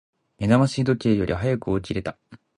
目覚まし時計より早く起きれた。